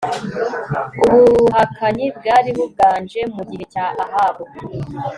Ubuhakanyi bwari buganje mu gihe cya Ahabu